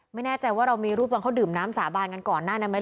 ไม่แน่ใจว่าเรามีรูปตอนเขาดื่มน้ำสาบานกันก่อนหน้านั้นไหม